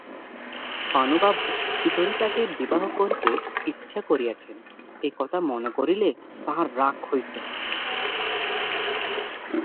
পানুবাবু সুচরিতাকে বিবাহ করিতে ইচ্ছা করিয়াছেন এ কথা মনে করিলে তাহার রাগ হইত।